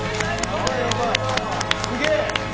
すげえ！